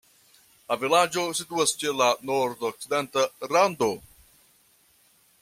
La vilaĝo situas ĉe la nordokcidenta rando.